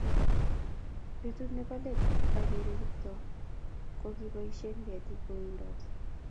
betut nebo let ageere Kiptoo ko kiboisien ketik kowendoti